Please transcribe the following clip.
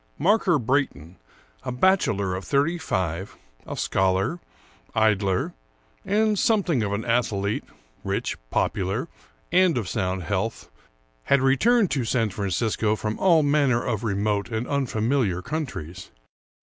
Marker Brayton, a bachelor of thirty five, a scholar, idler, and something of an athlete, rich, popular, and of sound health, had returned to San Francisco from all manner of remote and unfamiliar countries.